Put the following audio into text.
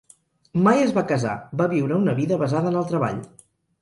Mai es va casar, va viure una vida basada en el treball.